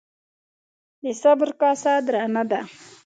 ـ د صبر کاسه درنه ده.